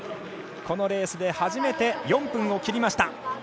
このレースで初めて４分を切りました。